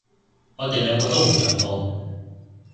我哋兩個都唔讓步